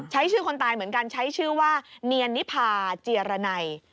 ใช้ชื่อคนตายเหมือนกันใช้ชื่อว่าเนียนนิพาเจียรนัย